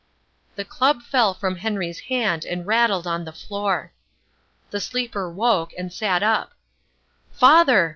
The club fell from Henry's hand and rattled on the floor. The sleeper woke, and sat up. "Father!